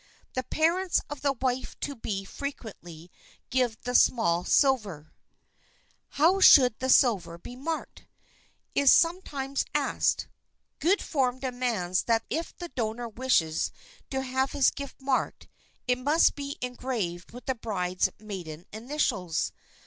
The parents of the wife to be frequently give the small silver. [Sidenote: MARKING THE SILVER] How should the silver be marked? is sometimes asked. Good form demands that if the donor wishes to have his gift marked, it must be engraved with the bride's maiden initials.